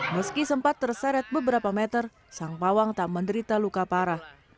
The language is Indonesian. meski sempat terseret beberapa meter sang pawang tak menderita luka parah